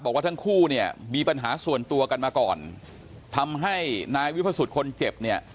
บอกว่าทั้งคู่เนี่ยมีปัญหาส่วนตัวกันมาก่อนทำให้นายวิพสุทธิ์คนเจ็บเนี่ย